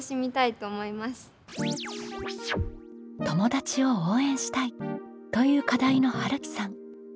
「友達を応援したい」という課題のはるきさん。